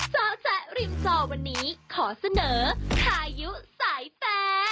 จอแจ๊ริมจอวันนี้ขอเสนอพายุสายแฟ